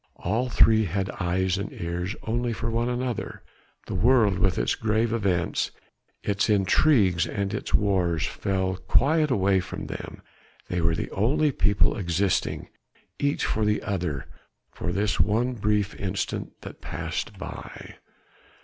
All three had eyes and ears only for one another: the world with its grave events, its intrigues and its wars fell quite away from them: they were the only people existing each for the other for this one brief instant that passed by.